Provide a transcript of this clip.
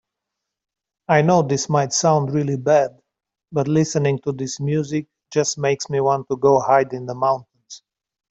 I know this might sound really bad, but listening to this music just makes me want to go hide in the mountains.